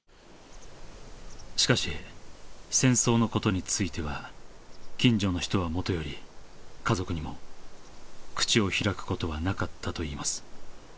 しかし戦争の事については近所の人はもとより家族にも口を開く事はなかったといいます。